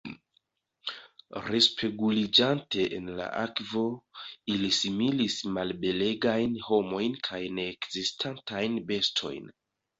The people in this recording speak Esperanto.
Respeguliĝante en la akvo, ili similis malbelegajn homojn kaj neekzistantajn bestojn.